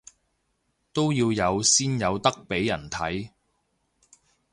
都要有先有得畀人睇